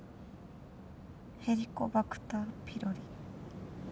ヘリコバクターピロリ。